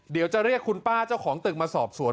เดี๋ยวจะเรียกคุณป้าเจ้าของตึกมาสอบสวน